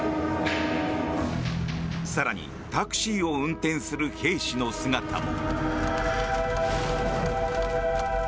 更にタクシーを運転する兵士の姿も。